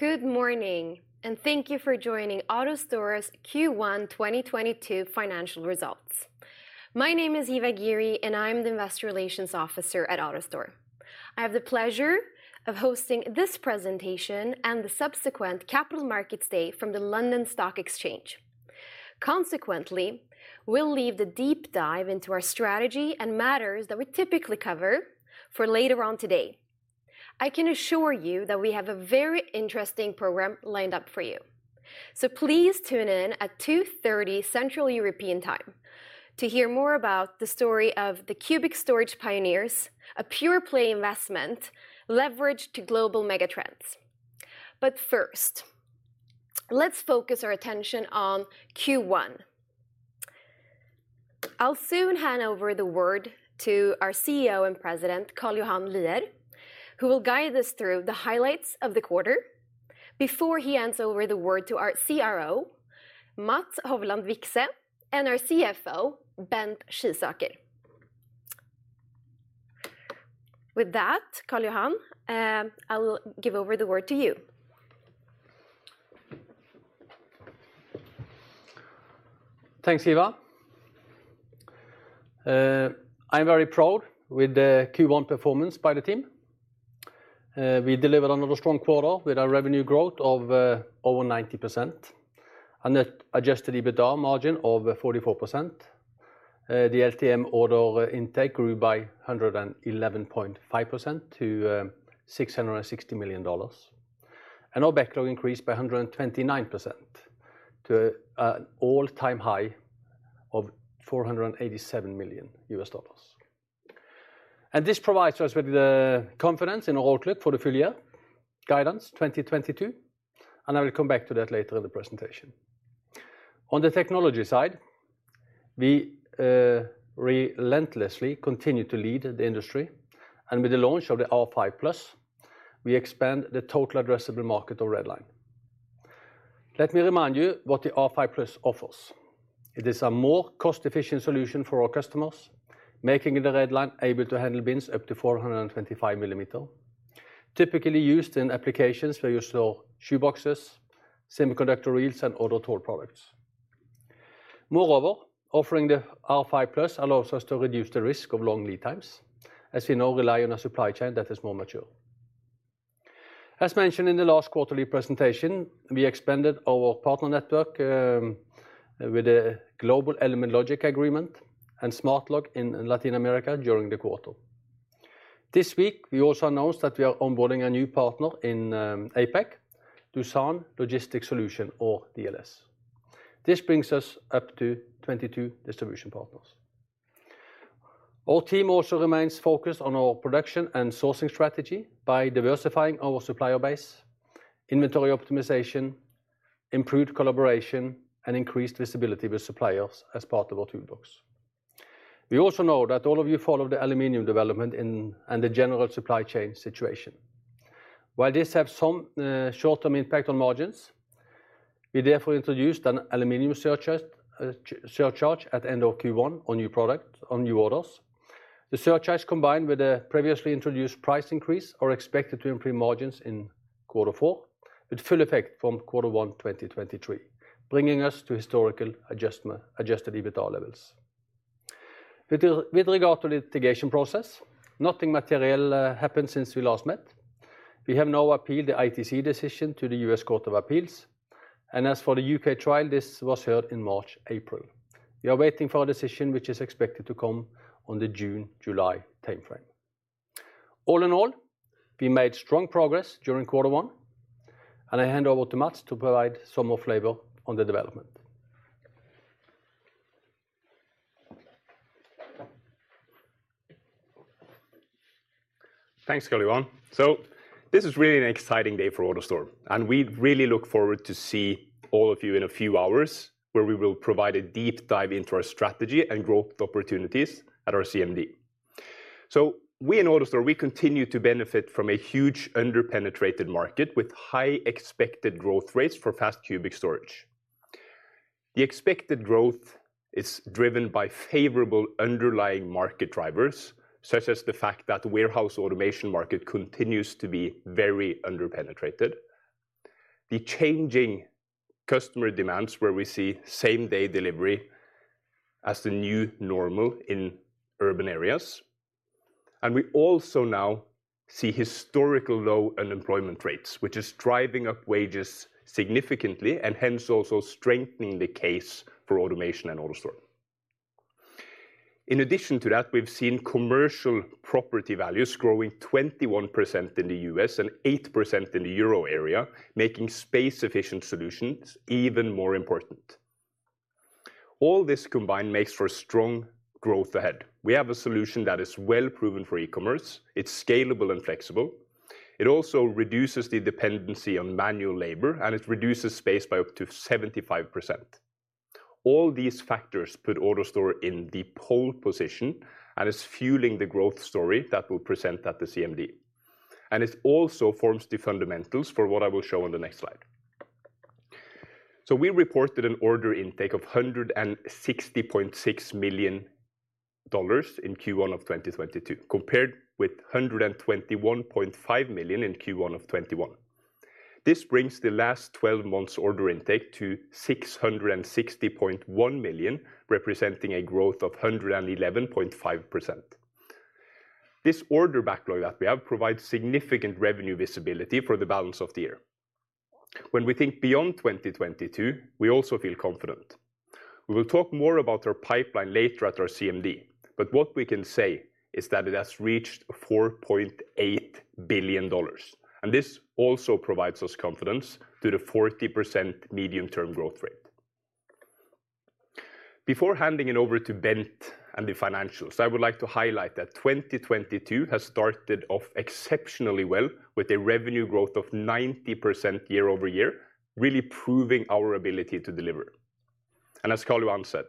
Good morning, and thank you for joining AutoStore's Q1 2022 financial results. My name is Hiva Ghiri, and I'm the Investor Relations Officer at AutoStore. I have the pleasure of hosting this presentation and the subsequent capital markets day from the London Stock Exchange. Consequently, we'll leave the deep dive into our strategy and matters that we typically cover for later on today. I can assure you that we have a very interesting program lined up for you. Please tune in at 2:30 P.M. Central European Time to hear more about the story of the cubic storage pioneers, a pure-play investment leveraged to global megatrends. First, let's focus our attention on Q1. I'll soon hand over the word to our CEO and President, Karl Johan Lier, who will guide us through the highlights of the quarter before he hands over the word to our CRO, Mats Hovland Vikse, and our CFO, Bent Skisaker. With that, Karl Johan, I'll give over the word to you. Thanks, Hiva. I'm very proud with the Q1 performance by the team. We delivered another strong quarter with our revenue growth of over 90% and an adjusted EBITDA margin of 44%. The LTM order intake grew by 111.5% to $660 million. Our backlog increased by 129% to an all-time high of $487 million. This provides us with the confidence in our outlook for the full year guidance 2022, and I will come back to that later in the presentation. On the technology side, we relentlessly continue to lead the industry, and with the launch of the R5 Plus, we expand the total addressable market of Red Line. Let me remind you what the R5 Plus offers. It is a more cost-efficient solution for our customers, making the Red Line able to handle bins up to 425 mm, typically used in applications where you store shoe boxes, semiconductor reels, and other tall products. Moreover, offering the R5+ allows us to reduce the risk of long lead times, as we now rely on a supply chain that is more mature. As mentioned in the last quarterly presentation, we expanded our partner network with a global Element Logic agreement and SmartLog in Latin America during the quarter. This week, we also announced that we are onboarding a new partner in APAC, Doosan Logistics Solutions, or DLS. This brings us up to 22 distribution partners. Our team also remains focused on our production and sourcing strategy by diversifying our supplier base, inventory optimization, improved collaboration, and increased visibility with suppliers as part of our toolbox. We also know that all of you follow the aluminum development in and the general supply chain situation. While this have some short-term impact on margins, we therefore introduced an aluminum surcharge at end of Q1 on new product, on new orders. The surcharge, combined with the previously introduced price increase, are expected to improve margins in quarter four, with full effect from quarter one, 2023, bringing us to historical adjusted EBITDA levels. With regard to litigation process, nothing material happened since we last met. We have now appealed the ITC decision to the U.S. Court of Appeals, and as for the U.K. trial, this was heard in March, April. We are waiting for a decision which is expected to come in the June-July timeframe. All in all, we made strong progress during quarter one, and I hand over to Mats to provide some more flavor on the development. Thanks, Karl Johan. This is really an exciting day for AutoStore, and we really look forward to see all of you in a few hours, where we will provide a deep dive into our strategy and growth opportunities at our CMD. We in AutoStore, we continue to benefit from a huge under-penetrated market with high expected growth rates for fast cubic storage. The expected growth is driven by favorable underlying market drivers, such as the fact that warehouse automation market continues to be very under-penetrated, the changing customer demands where we see same-day delivery as the new normal in urban areas, and we also now see historical low unemployment rates, which is driving up wages significantly and hence also strengthening the case for automation and AutoStore. In addition to that, we've seen commercial property values growing 21% in the U.S. and 8% in the Euro area, making space-efficient solutions even more important. All this combined makes for strong growth ahead. We have a solution that is well-proven for e-commerce. It's scalable and flexible. It also reduces the dependency on manual labor, and it reduces space by up to 75%. All these factors put AutoStore in the pole position and is fueling the growth story that we'll present at the CMD. It also forms the fundamentals for what I will show on the next slide. We reported an order intake of $160.6 million in Q1 2022 compared with $121.5 million in Q1 2021. This brings the last twelve months order intake to 660.1 million, representing a growth of 111.5%. This order backlog that we have provides significant revenue visibility for the balance of the year. When we think beyond 2022, we also feel confident. We will talk more about our pipeline later at our CMD, but what we can say is that it has reached $4.8 billion, and this also provides us confidence to the 40% medium-term growth rate. Before handing it over to Bent and the financials, I would like to highlight that 2022 has started off exceptionally well with a revenue growth of 90% year-over-year, really proving our ability to deliver. As Karl Johan said,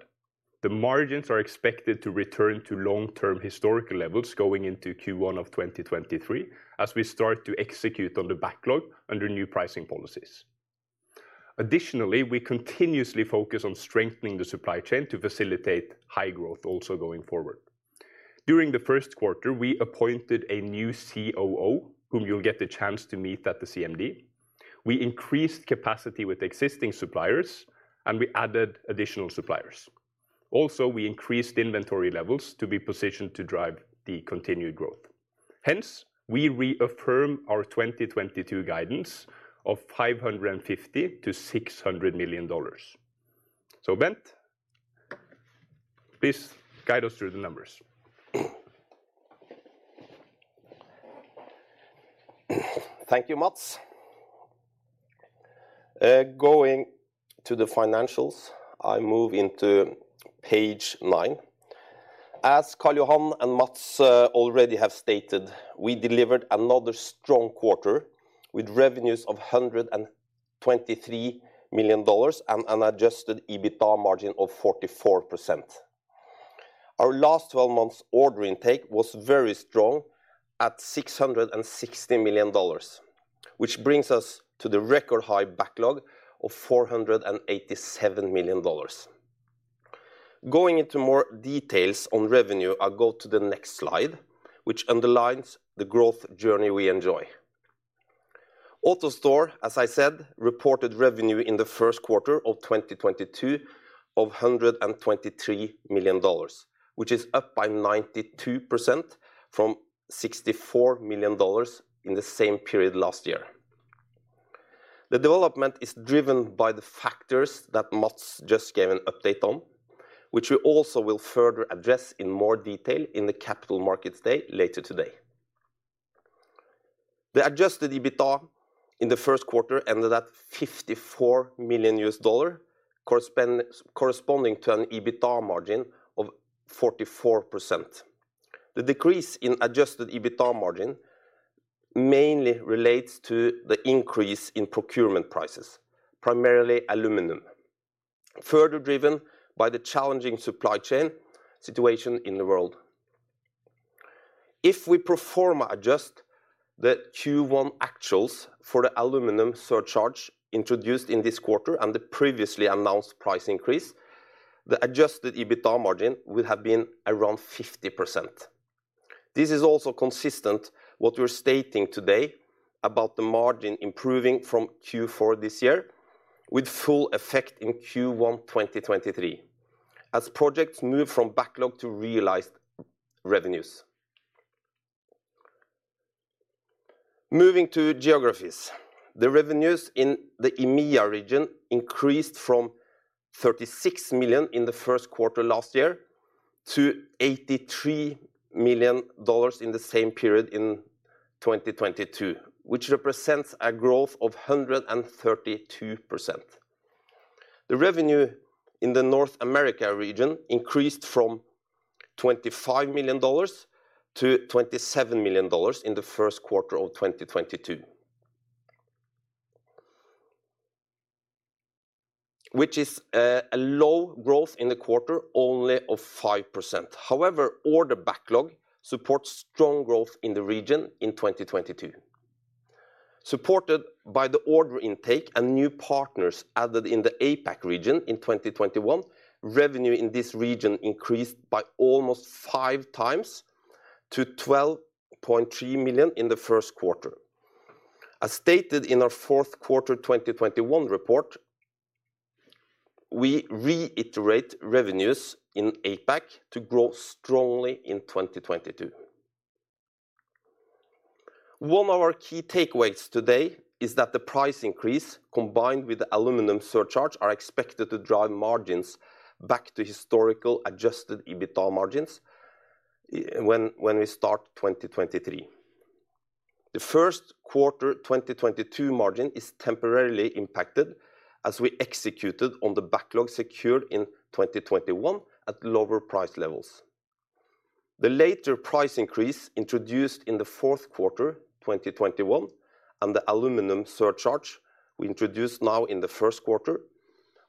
the margins are expected to return to long-term historical levels going into Q1 of 2023 as we start to execute on the backlog under new pricing policies. Additionally, we continuously focus on strengthening the supply chain to facilitate high growth also going forward. During the first quarter, we appointed a new COO, whom you'll get the chance to meet at the CMD. We increased capacity with existing suppliers, and we added additional suppliers. Also, we increased inventory levels to be positioned to drive the continued growth. Hence, we reaffirm our 2022 guidance of $550 million-$600 million. Bent, please guide us through the numbers. Thank you, Mats. Going to the financials, I move into page nine. As Karl Johan and Mats already have stated, we delivered another strong quarter with revenues of $123 million and an adjusted EBITDA margin of 44%. Our last 12 months order intake was very strong at $660 million, which brings us to the record high backlog of $487 million. Going into more details on revenue, I'll go to the next slide, which underlines the growth journey we enjoy. AutoStore, as I said, reported revenue in the first quarter of 2022 of $123 million, which is up by 92% from $64 million in the same period last year. The development is driven by the factors that Mats just gave an update on, which we also will further address in more detail in the Capital Markets Day later today. The adjusted EBITDA in the first quarter ended at $54 million corresponding to an EBITDA margin of 44%. The decrease in adjusted EBITDA margin mainly relates to the increase in procurement prices, primarily aluminum, further driven by the challenging supply chain situation in the world. If we pro forma adjust the Q1 actuals for the aluminum surcharge introduced in this quarter and the previously announced price increase, the adjusted EBITDA margin would have been around 50%. This is also consistent what we're stating today about the margin improving from Q4 this year with full effect in Q1 2023 as projects move from backlog to realized revenues. Moving to geographies, the revenues in the EMEA region increased from $36 million in the first quarter last year to $83 million in the same period in 2022, which represents a growth of 132%. The revenue in the North America region increased from $25 million-$27 million in the first quarter of 2022, which is a low growth in the quarter only of 5%. However, order backlog supports strong growth in the region in 2022. Supported by the order intake and new partners added in the APAC region in 2021, revenue in this region increased by almost 5x to $12.3 million in the first quarter. As stated in our fourth quarter 2021 report, we reiterate revenues in APAC to grow strongly in 2022. One of our key takeaways today is that the price increase combined with the aluminum surcharge are expected to drive margins back to historical adjusted EBITDA margins when we start 2023. The first quarter 2022 margin is temporarily impacted as we executed on the backlog secured in 2021 at lower price levels. The later price increase introduced in the fourth quarter 2021 and the aluminum surcharge we introduced now in the first quarter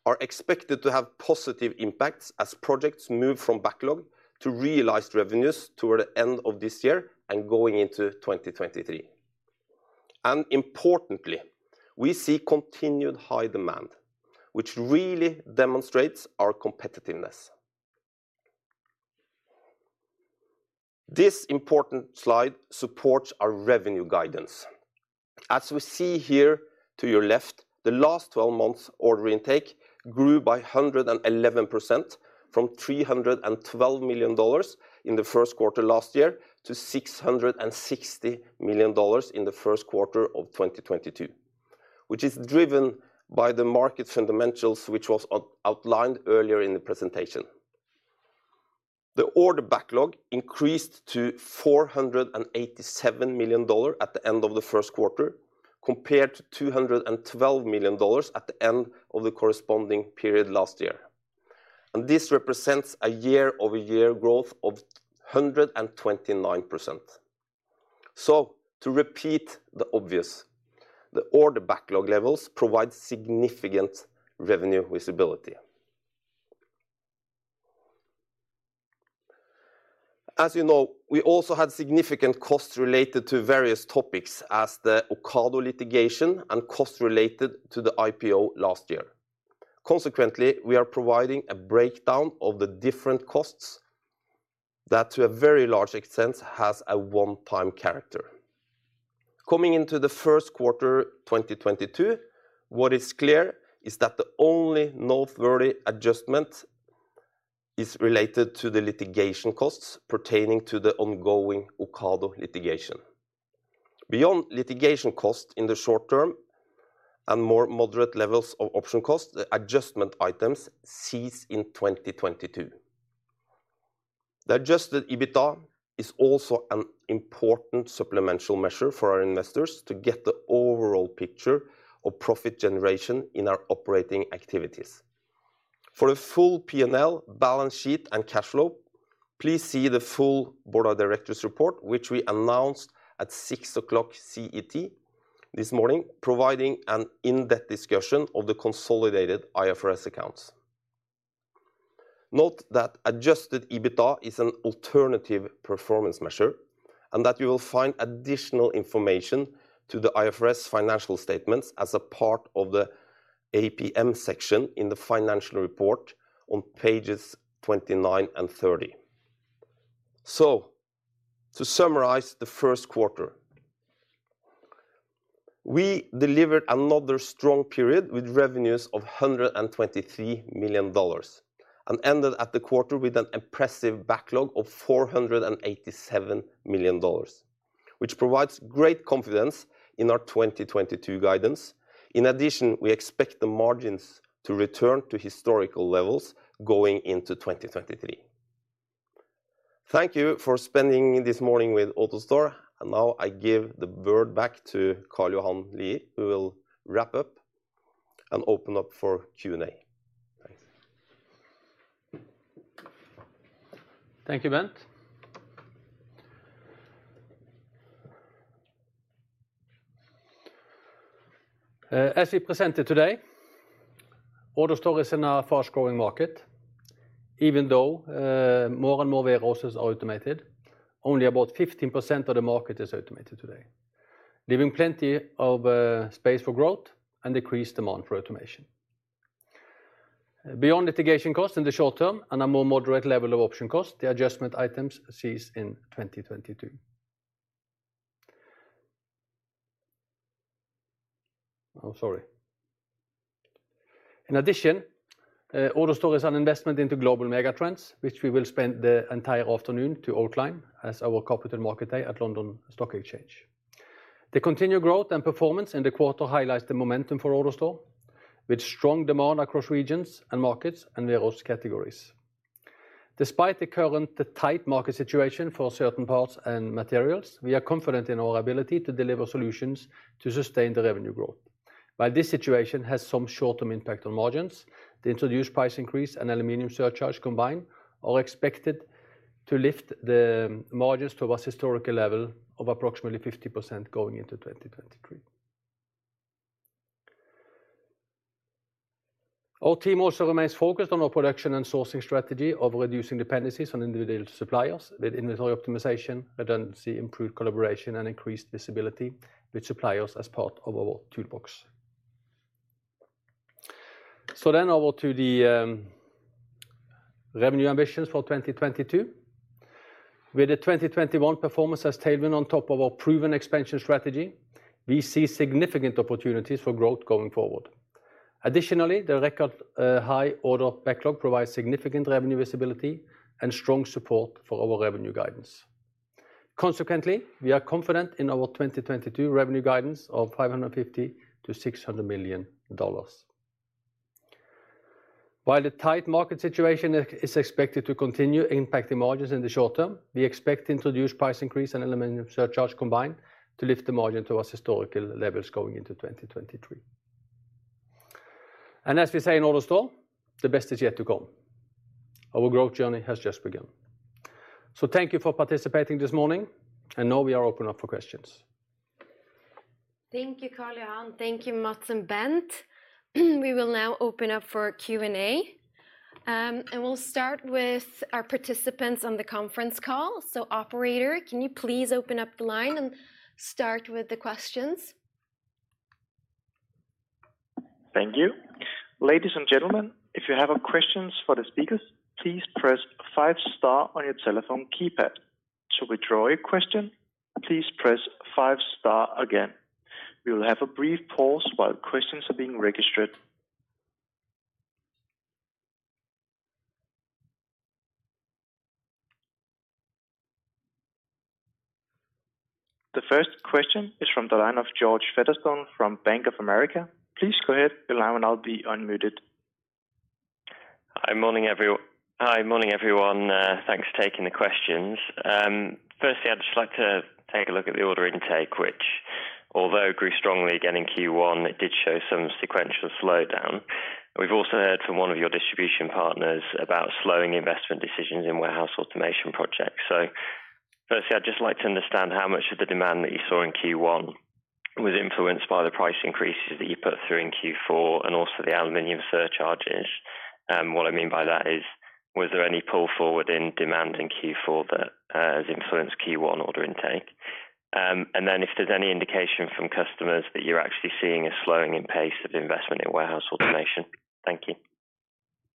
are expected to have positive impacts as projects move from backlog to realized revenues toward the end of this year and going into 2023. Importantly, we see continued high demand, which really demonstrates our competitiveness. This important slide supports our revenue guidance. As we see here to your left, the last twelve months order intake grew by 111% from $312 million in the first quarter last year to $660 million in the first quarter of 2022, which is driven by the market fundamentals which was outlined earlier in the presentation. The order backlog increased to $487 million at the end of the first quarter compared to $212 million at the end of the corresponding period last year. This represents a year-over-year growth of 129%. To repeat the obvious, the order backlog levels provide significant revenue visibility. As you know, we also had significant costs related to various topics as the Ocado litigation and costs related to the IPO last year. Consequently, we are providing a breakdown of the different costs that to a very large extent has a one-time character. Coming into the first quarter, 2022, what is clear is that the only noteworthy adjustment is related to the litigation costs pertaining to the ongoing Ocado litigation. Beyond litigation costs in the short term and more moderate levels of option costs, the adjustment items cease in 2022. The adjusted EBITDA is also an important supplemental measure for our investors to get the overall picture of profit generation in our operating activities. For a full P&L balance sheet and cash flow, please see the full board of directors report, which we announced at 6:00 A.M. CET this morning, providing an in-depth discussion of the consolidated IFRS accounts. Note that adjusted EBITDA is an alternative performance measure and that you will find additional information to the IFRS financial statements as a part of the APM section in the financial report on pages 29 and 30. To summarize the first quarter, we delivered another strong period with revenues of $123 million and ended the quarter with an impressive backlog of $487 million, which provides great confidence in our 2022 guidance. In addition, we expect the margins to return to historical levels going into 2023. Thank you for spending this morning with AutoStore. Now I give the word back to Karl Johan Lier, who will wrap up and open up for Q&A. Thanks. Thank you, Bent. As we presented today, AutoStore is in a fast-growing market. Even though more and more warehouses are automated, only about 15% of the market is automated today, leaving plenty of space for growth and increased demand for automation. Beyond litigation costs in the short term and a more moderate level of option cost, the adjustment items cease in 2022. In addition, AutoStore is an investment into global mega trends, which we will spend the entire afternoon to outline as our Capital Markets Day at London Stock Exchange. The continued growth and performance in the quarter highlights the momentum for AutoStore with strong demand across regions and markets and various categories. Despite the current tight market situation for certain parts and materials, we are confident in our ability to deliver solutions to sustain the revenue growth. While this situation has some short-term impact on margins, the introduced price increase and aluminum surcharge combined are expected to lift the margins to a historical level of approximately 50% going into 2023. Our team also remains focused on our production and sourcing strategy of reducing dependencies on individual suppliers with inventory optimization, redundancy, improved collaboration, and increased visibility with suppliers as part of our toolbox. Over to the revenue ambitions for 2022. With the 2021 performance as tailwind on top of our proven expansion strategy, we see significant opportunities for growth going forward. Additionally, the record high order backlog provides significant revenue visibility and strong support for our revenue guidance. Consequently, we are confident in our 2022 revenue guidance of $550 million-$600 million. While the tight market situation is expected to continue impacting margins in the short term, we expect introduced price increase and aluminum surcharge combined to lift the margin towards historical levels going into 2023. As we say in AutoStore, the best is yet to come. Our growth journey has just begun. Thank you for participating this morning, and now we are opening up for questions. Thank you, Carl Johan. Thank you, Mats and Bent. We will now open up for Q&A. We'll start with our participants on the conference call. Operator, can you please open up the line and start with the questions? Thank you. Ladies and gentlemen, if you have questions for the speakers, please press five star on your telephone keypad. To withdraw your question, please press five star again. We will have a brief pause while questions are being registered. The first question is from the line of George Featherstone from Bank of America. Please go ahead, your line will now be unmuted. Hi. Morning, everyone. Thanks for taking the questions. Firstly, I'd just like to take a look at the order intake, which although grew strongly again in Q1, it did show some sequential slowdown. We've also heard from one of your distribution partners about slowing investment decisions in warehouse automation projects. Firstly, I'd just like to understand how much of the demand that you saw in Q1 was influenced by the price increases that you put through in Q4, and also the aluminum surcharges. What I mean by that is, was there any pull forward in demand in Q4 that has influenced Q1 order intake? Then if there's any indication from customers that you're actually seeing a slowing in pace of investment in warehouse automation. Thank you.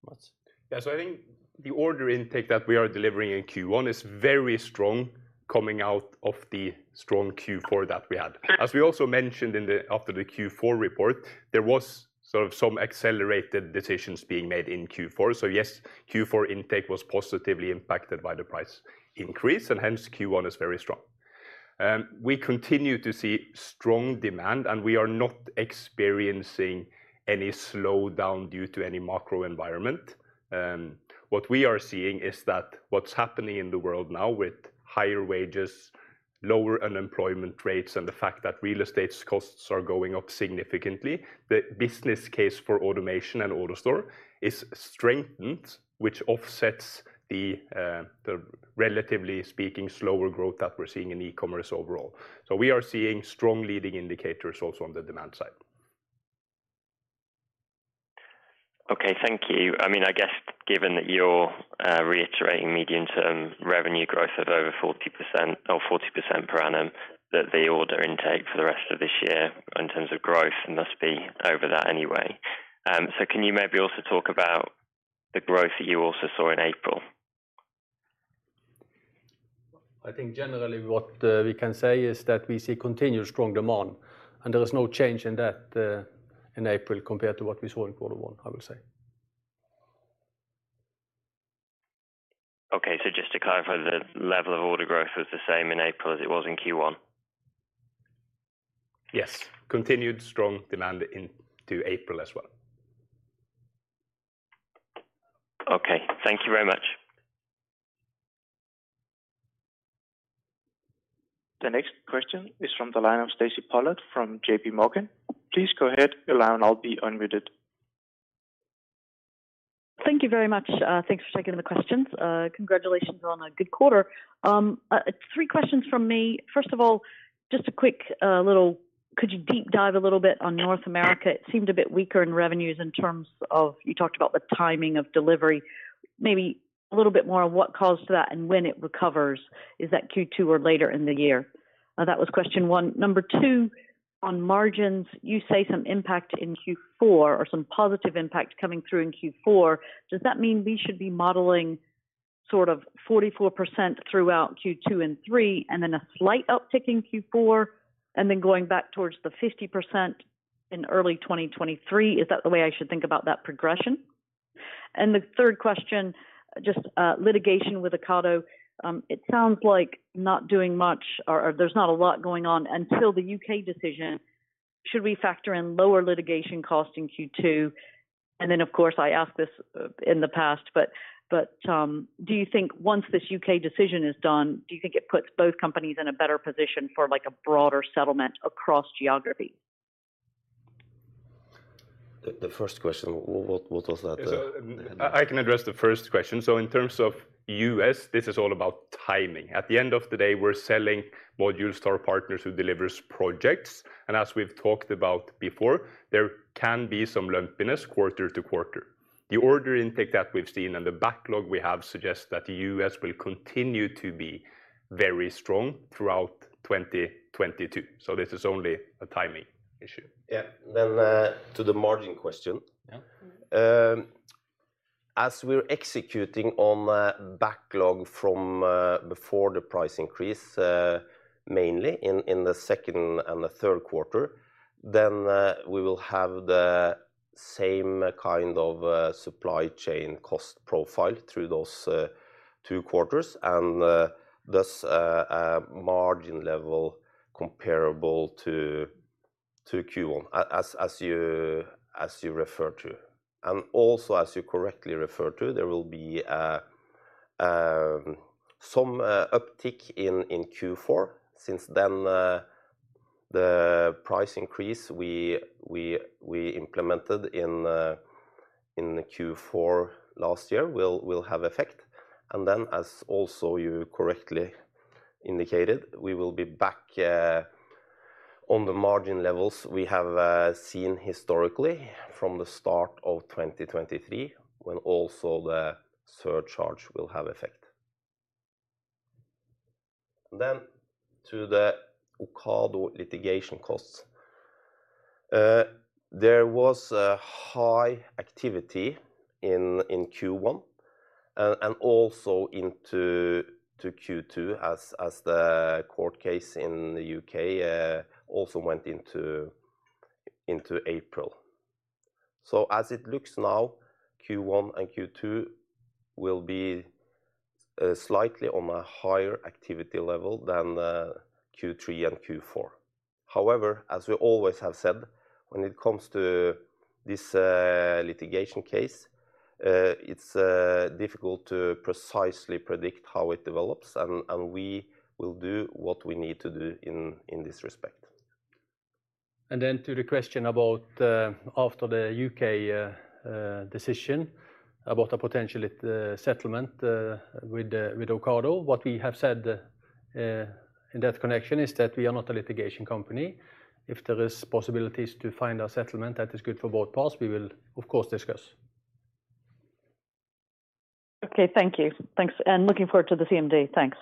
Mats? Yeah. I think the order intake that we are delivering in Q1 is very strong coming out of the strong Q4 that we had. As we also mentioned after the Q4 report, there was sort of some accelerated decisions being made in Q4. Yes, Q4 intake was positively impacted by the price increase, and hence Q1 is very strong. We continue to see strong demand, and we are not experiencing any slowdown due to any macro environment. What we are seeing is that what's happening in the world now with higher wages, lower unemployment rates, and the fact that real estate costs are going up significantly, the business case for automation and AutoStore is strengthened, which offsets the relatively speaking slower growth that we're seeing in e-commerce overall. We are seeing strong leading indicators also on the demand side. Okay. Thank you. I mean, I guess given that you're reiterating medium-term revenue growth of over 40% or 40% per annum, that the order intake for the rest of this year in terms of growth must be over that anyway. Can you maybe also talk about the growth that you also saw in April? I think generally what we can say is that we see continued strong demand, and there was no change in that in April compared to what we saw in quarter one, I would say. Okay. Just to clarify, the level of order growth was the same in April as it was in Q1? Yes. Continued strong demand into April as well. Okay. Thank you very much. The next question is from the line of Stacy Pollard from JPMorgan. Please go ahead. Your line will now be unmuted. Thank you very much. Thanks for taking the questions. Congratulations on a good quarter. Three questions from me. First of all, just a quick could you deep dive a little bit on North America? It seemed a bit weaker in revenues in terms of, you talked about the timing of delivery. Maybe a little bit more on what caused that and when it recovers. Is that Q2 or later in the year? That was question one. Number two, on margins, you say some impact in Q4 or some positive impact coming through in Q4. Does that mean we should be modeling sort of 44% throughout Q2 and Q3, and then a slight uptick in Q4, and then going back towards the 50% in early 2023? Is that the way I should think about that progression? The third question, just litigation with Ocado, it sounds like not doing much or there's not a lot going on until the U.K. Decision. Should we factor in lower litigation costs in Q2? Of course, I asked this in the past, but do you think once this U.K. decision is done, do you think it puts both companies in a better position for like a broader settlement across geography? The first question, what was that? Yeah. I can address the first question. In terms of U.S., this is all about timing. At the end of the day, we're selling AutoStore partners who deliver projects. As we've talked about before, there can be some lumpiness quarter to quarter. The order intake that we've seen and the backlog we have suggests that the U.S. will continue to be very strong throughout 2022. This is only a timing issue. Yeah. To the margin question. Yeah. As we're executing on the backlog from before the price increase, mainly in the second and the third quarter, then we will have the same kind of supply chain cost profile through those two quarters, and thus margin level comparable to Q1, as you refer to. Also, as you correctly refer to, there will be some uptick in Q4 since then the price increase we implemented in Q4 last year will have effect. As also you correctly indicated, we will be back on the margin levels we have seen historically from the start of 2023, when also the surcharge will have effect. To the Ocado litigation costs. There was a high activity in Q1 and also into Q2 as the court case in the U.K. also went into April. As it looks now, Q1 and Q2 will be slightly on a higher activity level than Q3 and Q4. However, as we always have said, when it comes to this litigation case, it's difficult to precisely predict how it develops and we will do what we need to do in this respect. To the question about after the U.K. decision about a potential settlement with Ocado. What we have said in that connection is that we are not a litigation company. If there is possibilities to find a settlement that is good for both parties, we will of course discuss. Okay, thank you. Thanks, and looking forward to the CMD. Thanks.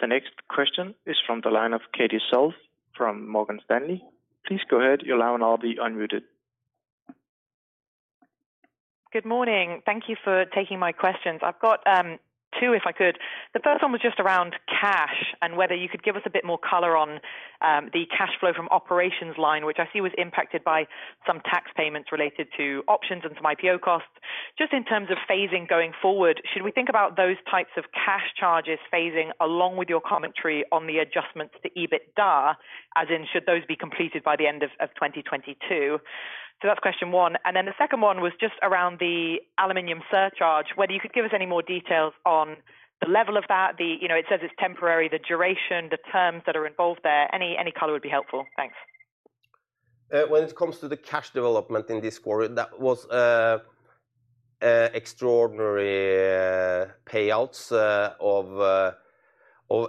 The next question is from the line of Katie Self from Morgan Stanley. Please go ahead. Your line will now be unmuted. Good morning. Thank you for taking my questions. I've got two, if I could. The first one was just around cash and whether you could give us a bit more color on the cash flow from operations line, which I see was impacted by some tax payments related to options and some IPO costs. Just in terms of phasing going forward, should we think about those types of cash charges phasing along with your commentary on the adjustments to EBITDA, as in should those be completed by the end of 2022? That's question one. Then the second one was just around the aluminum surcharge, whether you could give us any more details on the level of that. You know, it says it's temporary, the duration, the terms that are involved there. Any color would be helpful. Thanks. When it comes to the cash development in this quarter, that was extraordinary payouts of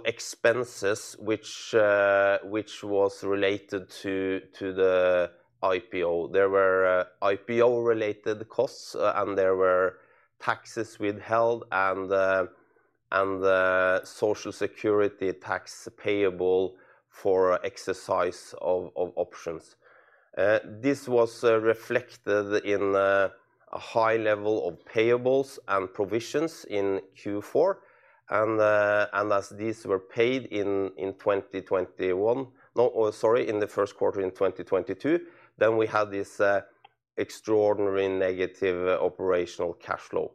expenses which was related to the IPO. There were IPO-related costs, and there were taxes withheld and Social Security tax payable for exercise of options. This was reflected in a high level of payables and provisions in Q4. As these were paid in the first quarter in 2022, we had this extraordinary negative operational cash flow.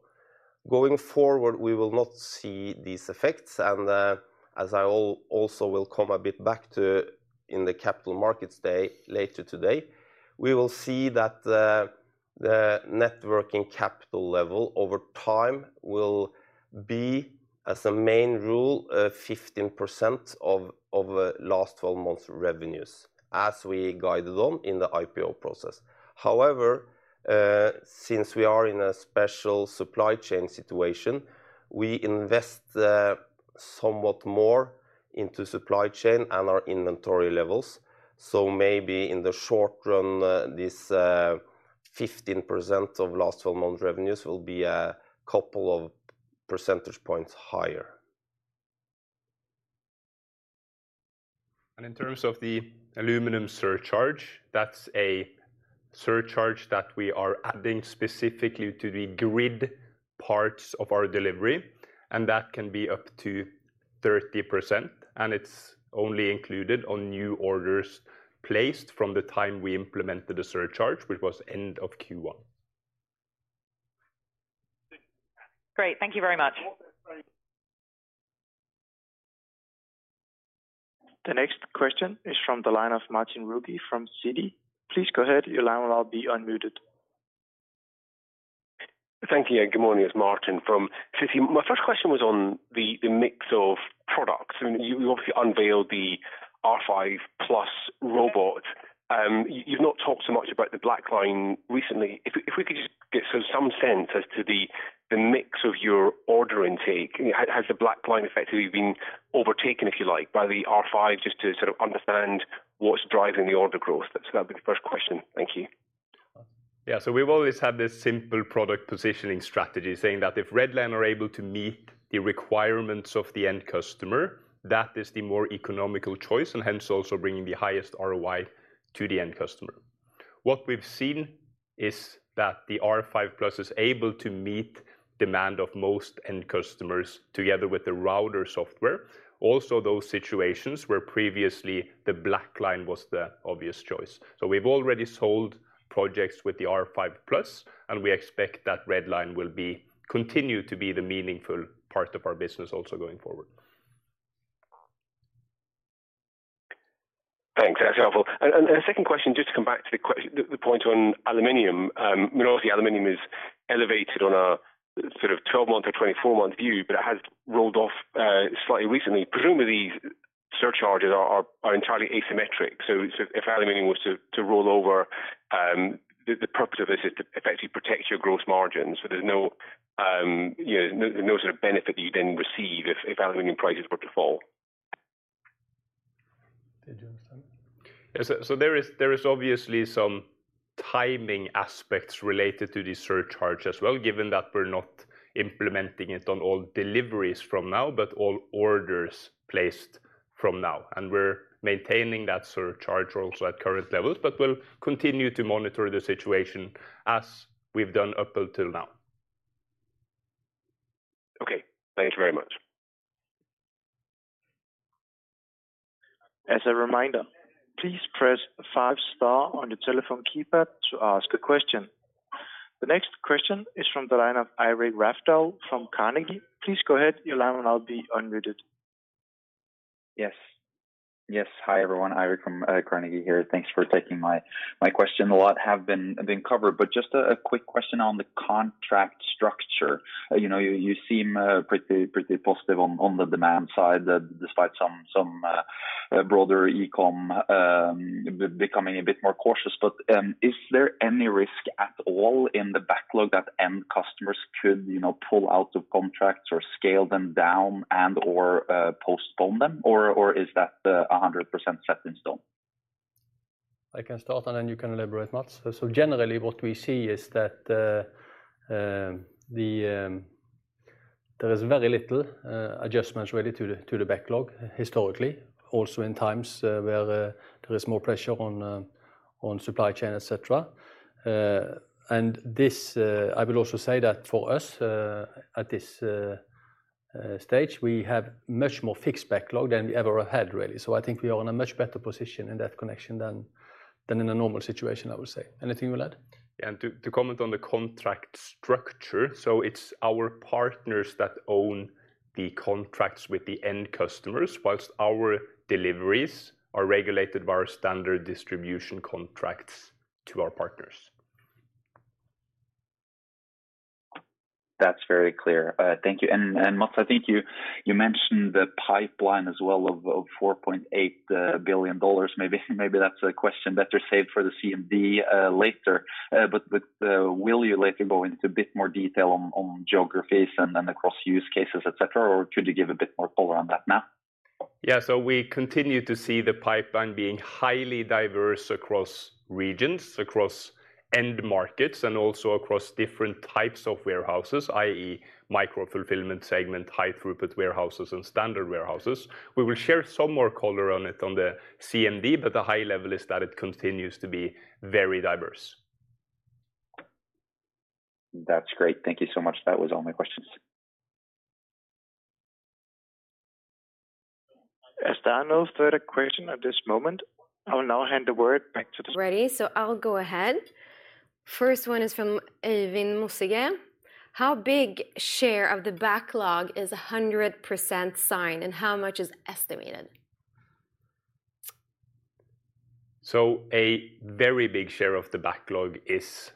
Going forward, we will not see these effects, and as I also will come a bit back to in the Capital Markets Day later today, we will see that the net working capital level over time will be, as a main rule, 15% of last twelve months revenues, as we guided on in the IPO process. However, since we are in a special supply chain situation, we invest somewhat more into supply chain and our inventory levels. Maybe in the short run, this 15% of last twelve months revenues will be a couple of percentage points higher. In terms of the aluminum surcharge, that's a surcharge that we are adding specifically to the grid parts of our delivery, and that can be up to 30%, and it's only included on new orders placed from the time we implemented the surcharge, which was end of Q1. Great. Thank you very much. The next question is from the line of Martin Wilkie from Citi. Please go ahead. Your line will now be unmuted. Thank you. Good morning. It's Martin from Citi. My first question was on the mix of products. I mean, you obviously unveiled the R5 plus robot. You've not talked so much about the Black Line recently. If we could just get some sense as to the mix of your order intake. Has the Black Line effectively been overtaken, if you like, by the R5, just to sort of understand what's driving the order growth? That'd be the first question. Thank you. Yeah. We've always had this simple product positioning strategy saying that if Red Line are able to meet the requirements of the end customer, that is the more economical choice and hence also bringing the highest ROI to the end customer. What we've seen is that the R5 plus is able to meet demand of most end customers together with the Router software. Also those situations where previously the Black Line was the obvious choice. We've already sold projects with the R5 plus, and we expect that Red Line will continue to be the meaningful part of our business also going forward. Thanks. That's helpful. A second question, just to come back to the point on aluminum. We know obviously aluminum is elevated on a sort of 12-month or 24-month view, but it has rolled off slightly recently. Presumably surcharges are entirely asymmetric, so if aluminum was to roll over, the purpose of this is to effectively protect your gross margins so there's no, you know, no sort of benefit that you then receive if aluminum prices were to fall. Did you understand? Yes. There is obviously some timing aspects related to the surcharge as well, given that we're not implementing it on all deliveries from now, but all orders placed from now, and we're maintaining that surcharge also at current levels. We'll continue to monitor the situation as we've done up until now. Okay. Thanks very much. As a reminder, please press 5 star on your telephone keypad to ask a question. The next question is from the line of Eirik Rafdal from Carnegie. Please go ahead. Your line will now be unmuted. Yes, hi, everyone, Eirik from Carnegie here. Thanks for taking my question. A lot have been covered, but just a quick question on the contract structure. You know, you seem pretty positive on the demand side, despite some broader e-commerce becoming a bit more cautious. Is there any risk at all in the backlog that end customers could, you know, pull out of contracts or scale them down and/or postpone them or is that 100% set in stone? I can start, and then you can elaborate, Mats. Generally what we see is that there is very little adjustments really to the backlog historically, also in times where there is more pressure on supply chain, et cetera. I will also say that for us, at this stage, we have much more fixed backlog than we ever had really. I think we are in a much better position in that connection than in a normal situation, I would say. Anything you will add? Yeah. To comment on the contract structure, so it's our partners that own the contracts with the end customers, while our deliveries are regulated by our standard distribution contracts to our partners. That's very clear. Thank you. Mats, I think you mentioned the pipeline as well of $4.8 billion. Maybe that's a question better saved for the CMD later. Will you later go into a bit more detail on geographies and across use cases, et cetera, or could you give a bit more color on that now? Yeah. We continue to see the pipeline being highly diverse across regions, across end markets, and also across different types of warehouses, i.e., micro-fulfillment segment, high-throughput warehouses, and standard warehouses. We will share some more color on it on the CMD, but the high level is that it continues to be very diverse. That's great. Thank you so much. That was all my questions. As there are no further questions at this moment, I will now hand the word back to the. Ready, I'll go ahead. First one is from Øyvind Mossige: How big share of the backlog is 100% signed, and how much is estimated? A very big share of the backlog is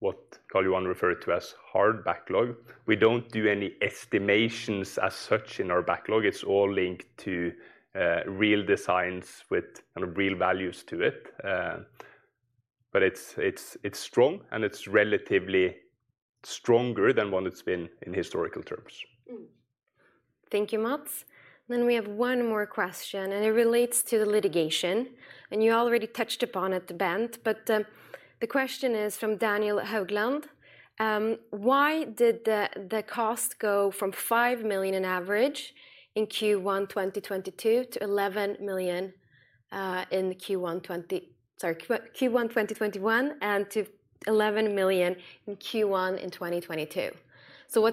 what Carl Johan referred to as hard backlog. We don't do any estimations as such in our backlog. It's all linked to real designs with, kind of, real values to it. It's strong, and it's relatively stronger than what it's been in historical terms. Thank you, Mats. We have one more question, and it relates to the litigation, and you already touched upon it, Bent. The question is from Daniel Haugland. Why did the cost go from 5 million on average in Q1 2022 to 11 million in Q1 2021 and to NOK 11 million in Q1 2022? What's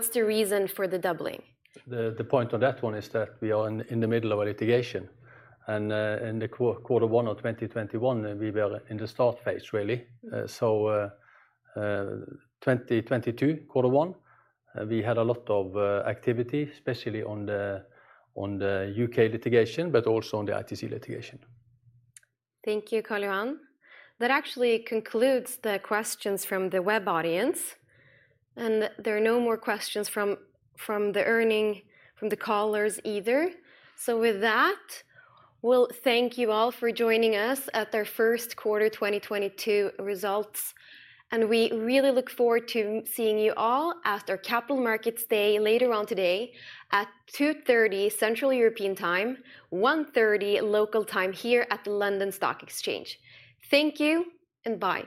the reason for the doubling? The point on that one is that we are in the middle of a litigation. In the quarter one of 2021, we were in the start phase really. 2022 quarter one, we had a lot of activity, especially on the U.K. litigation but also on the ITC litigation. Thank you, Karl Johan Lier. That actually concludes the questions from the web audience, and there are no more questions from the callers either. With that, we'll thank you all for joining us at our first quarter 2022 results, and we really look forward to seeing you all at our Capital Markets Day later on today at 2:30 P.M. Central European Time, 1:30 P.M. local time, here at the London Stock Exchange. Thank you, and bye.